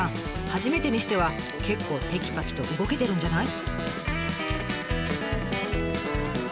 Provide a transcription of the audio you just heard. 初めてにしては結構てきぱきと動けてるんじゃない？